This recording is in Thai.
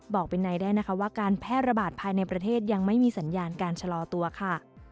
บอกเป็นในได้นะคะว่าการแพร่ระบาดภายในประเทศยังไม่มีสัญญาณการชะลอตัวค่ะ